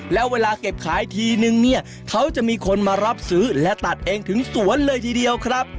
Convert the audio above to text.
แล้วเวลาเก็บขายทีนึงเนี่ยเขาจะมีคนมารับซื้อและตัดเองถึงสวนเลยทีเดียวครับ